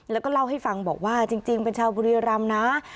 แล้วก็เล่าให้ฟังบอกว่าจริงเป็นชาวบุรีรำนะ